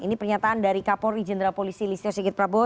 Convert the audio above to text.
ini pernyataan dari kapolri jenderal polisi listio sigit prabowo